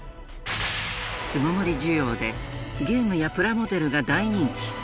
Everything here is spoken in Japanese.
巣ごもり需要でゲームやプラモデルが大人気。